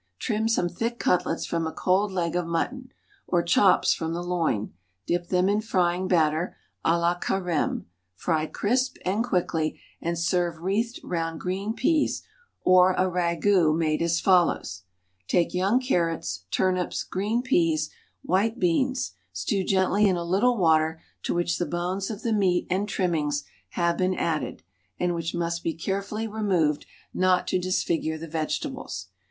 Trim some thick cutlets from a cold leg of mutton, or chops from the loin, dip them in frying batter, à la Carême, fry crisp and quickly, and serve wreathed round green peas, or a ragout made as follows: Take young carrots, turnips, green peas, white beans; stew gently in a little water to which the bones of the meat and trimmings have been added (and which must be carefully removed not to disfigure the vegetables).